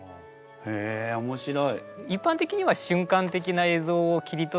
へえ面白い。